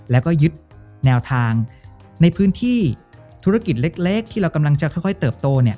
แล้วก็ยึดแนวทางในพื้นที่ธุรกิจเล็กที่เรากำลังจะค่อยเติบโตเนี่ย